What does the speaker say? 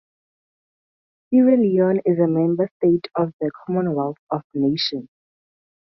Sierra Leone is a member state of the Commonwealth of Nations.